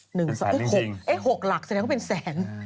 เป็นแสนจริงเอ๊ะ๖หลักแสดงว่าเป็นแสน